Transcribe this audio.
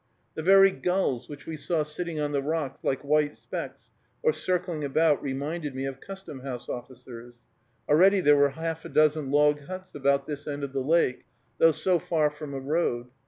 The very gulls which we saw sitting on the rocks, like white specks, or circling about, reminded me of custom house officers. Already there were half a dozen log huts about this end of the lake, though so far from a road.